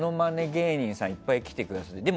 芸人さんいっぱい来てくださっている。